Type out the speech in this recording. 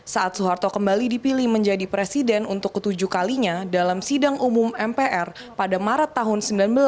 saat soeharto kembali dipilih menjadi presiden untuk ketujuh kalinya dalam sidang umum mpr pada maret tahun seribu sembilan ratus sembilan puluh